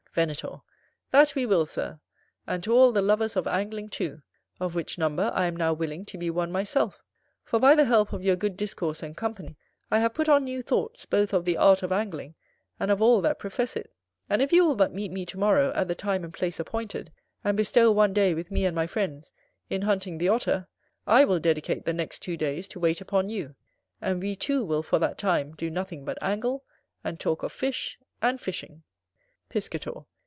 Venator. That we will, Sir, and to all the lovers of Angling too, of which number I am now willing to be one myself; for, by the help of your good discourse and company, I have put on new thoughts both of the art of Angling and of all that profess it; and if you will but meet me to morrow at the time and place appointed, and bestow one day with me and my friends, in hunting the Otter, I will dedicate the next two days to wait upon you; and we too will, for that time, do nothing but angle, and talk of fish and fishing. Piscator.